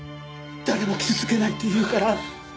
誰も傷つけないっていうから。